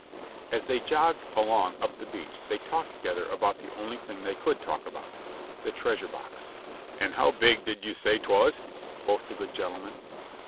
As they jogged along up the beach they talked together about the only thing they could talk about the treasure box. "And how big did you say 'twas?" quoth the good gentleman.